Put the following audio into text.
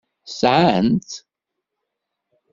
Sɛan-tt.